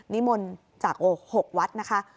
นิมนต์จาก๖วัดนะคะ